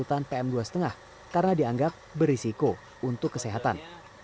dan memasang alat hitung polutan pm dua lima karena dianggap berisiko untuk kesehatan